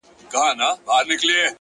چي زما په لورې هغه سپينه جنگرکه راځې;